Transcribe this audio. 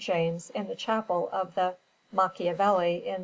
James in the Chapel of the Macchiavelli in S.